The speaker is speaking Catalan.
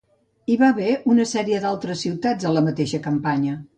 Hi va haver una sèrie d'altres ciutats a la mateixa campanya.